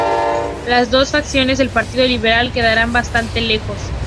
Las dos facciones del Partido Liberal quedaron bastante lejos.